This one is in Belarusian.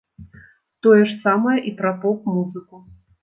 Тое ж самае і пра поп-музыку!